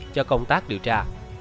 cho công tác điều tra